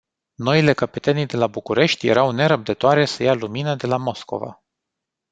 Noile căpetenii de la București erau nerăbdătoare să ia lumină de la Moscova.